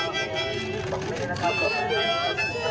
มีบางซักวัน